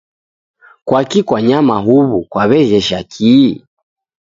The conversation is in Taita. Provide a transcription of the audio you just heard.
Kwaki kwanyama huw'u kwaw'eghesha kii?